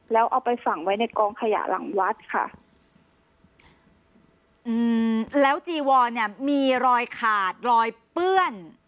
แล้วเอาไปฝังไว้ในกองขยะหลังวัดค่ะอืมแล้วจีวอนเนี้ยมีรอยขาดรอยเปื้อน